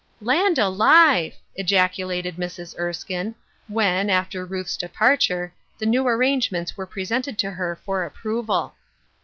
" Land alive I " ejaculated Mrs. Erskine, when, after Ruth's departure, the new arrangements were presented to her for approval.